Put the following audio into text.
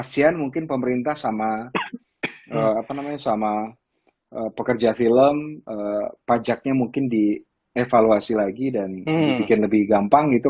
kasian mungkin pemerintah sama pekerja film pajaknya mungkin dievaluasi lagi dan dibikin lebih gampang gitu